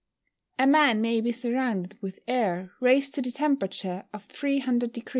_ A man may be surrounded with air raised to the temperature of 300 deg.